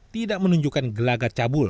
tidak menunjukkan gelagat cabul